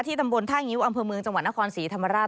ตำบลท่างิ้วอำเภอเมืองจังหวัดนครศรีธรรมราช